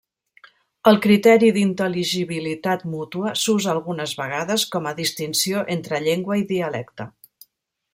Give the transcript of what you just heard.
El criteri d'intel·ligibilitat mútua s'usa algunes vegades com a distinció entre llengua i dialecte.